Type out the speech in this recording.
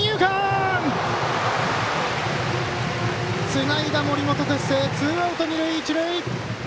つないだ森本哲星ツーアウト、二塁一塁！